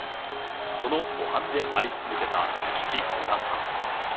その模範であり続けた父、古賀さん。